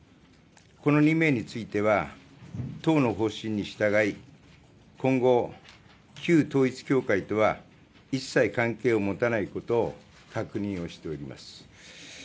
この２名については党の方針に従い今後、旧統一教会とは一切関係を持たないことを確認をしております。